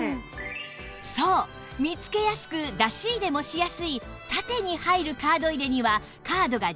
そう見つけやすく出し入れもしやすい縦に入るカード入れにはカードが１２枚